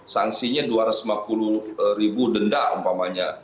sanksinya dua ratus lima puluh ribu denda umpamanya